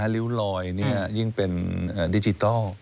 ริ้วลอยยิ่งเป็นดิจิทัล